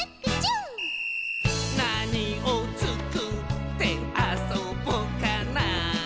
「なにをつくってあそぼかな」